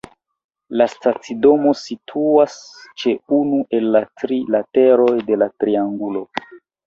La stacidomo situas ĉe unu el la tri lateroj de la triangulo.